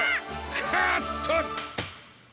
カット！